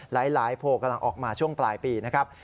โพลกำลังออกมาช่วงปลายปีนะครับ